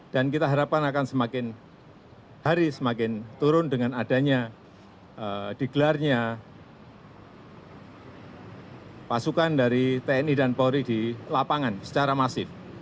dan kita harapkan akan semakin hari semakin turun dengan adanya digelarnya pasukan dari tni dan polri di lapangan secara masif